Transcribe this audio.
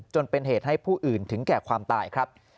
จนเป็นเหตุให้ผู้อื่นถึงแก่ความตายครับ